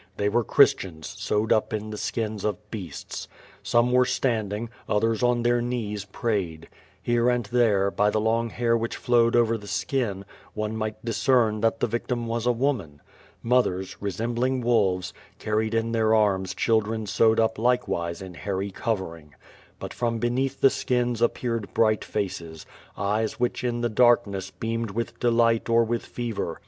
They were Christians sewed up in skins of beastt. Some were standing, others on their knees prayed. Hereknd there, by the long hair which flowed over the skin, one might discern that the victim was a woman. Mothers, resemBlHig wolves, carried in their arms children sewed up likewise Un hairy covering. But from beneath the skins appeared bright faces, eyes wliich in the darkness beamed with delight or with fever.